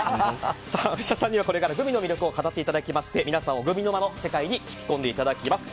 武者さんには、これからグミの魅力を語っていただいて皆さんをグミ沼の世界に引き込んでいただきます。